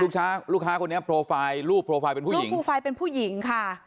ลูกค้าลูกค้าคนนี้โปรไฟล์รูปโปรไฟล์เป็นผู้หญิงโปรไฟล์เป็นผู้หญิงค่ะ